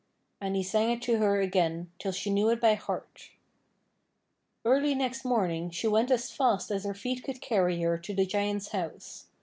And he sang it to her again, till she knew it by heart. Early next morning, she went as fast as her feet could carry her to the Giant's house.